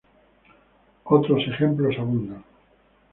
Otros ejemplos abundan.